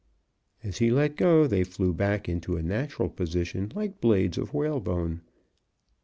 As he let go they flew back into a natural position like blades of whalebone.